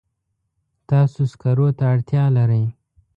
تاسو سکرو ته اړتیا لرئ.